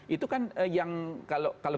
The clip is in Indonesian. itu kan yang kalau